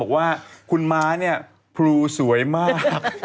บอกว่าคุณมะนี่ภูลซวยมาก